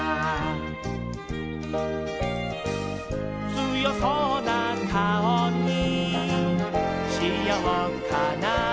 「つよそうな顔にしようかな」